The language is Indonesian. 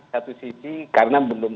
satu sisi karena belum